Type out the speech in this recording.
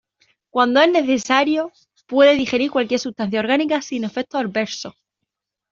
Cuando es necesario, puede digerir cualquier sustancia orgánica sin efectos adversos.